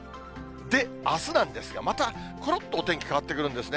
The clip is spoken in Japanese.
で、あすなんですが、またころっとお天気変わってくるんですね。